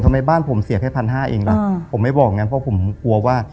บ้านผมเสียแค่พันห้าเองล่ะผมไม่บอกงั้นเพราะผมกลัวว่า